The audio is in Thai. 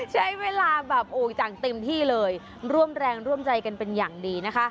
ใช้เวลาจังเต็มที่เลยร่วมแรงร่วมใจกันเป็นอย่างดีนะคะ